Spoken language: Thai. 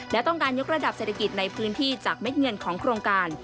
และต้องการยกระดับเศรษฐกิจในพื้นที่จากเม็ดเงินของโครงการ